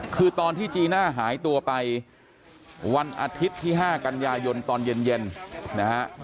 คือตอนที่จีน่าหายตัวไปวันอาทิตย์ที่๕กันยายนตอนเย็นนะฮะ